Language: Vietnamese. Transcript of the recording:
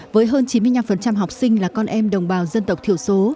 với hơn chín mươi năm học sinh là con em đồng bào dân tộc thiểu số